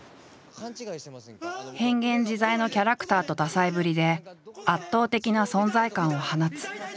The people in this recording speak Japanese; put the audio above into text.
変幻自在のキャラクターと多才ぶりで圧倒的な存在感を放つ。